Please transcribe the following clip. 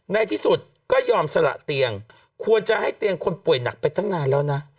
ในที่สุดก็ยอมสละเตียงควรจะให้เตียงคนป่วยหนักไปตั้งนานแล้วนะ